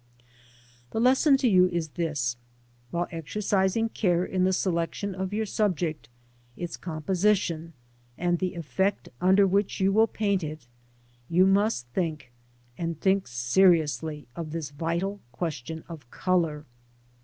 The lesson to you is this : While exercising care in the selec tion of your subject, its composition, and the effect under which you will paint it, you must think, and think seriously, of this vital question of colour.